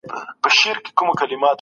ما پرون یو نوی اپلیکیشن ډاونلوډ کړ.